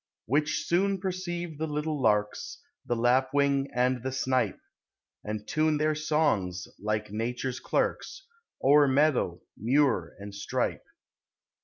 Which soon perceive the little larks, The lapwing and the snipe. And tune their songs, like Nature's clerks. O'er meadow, muir, and stripe.